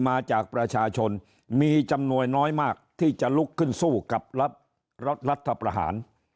มาจากประชาชนมีจำนวนน้อยมากที่จะลุกขึ้นสู้กับรัฐประหาร